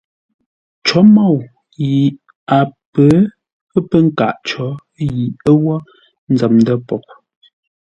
Cǒ môu yi a pə̌ pə nkâʼ có yi ə́ wə́ nzəm ndə̂ poghʼ.